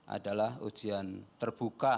adalah ujian terbuka